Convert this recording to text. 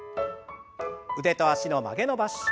腕と脚の曲げ伸ばし。